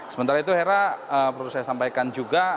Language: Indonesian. sementara itu hera perlu saya sampaikan juga